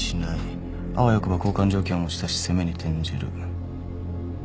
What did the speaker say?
あわよくば交換条件を持ち出し攻めに転じる」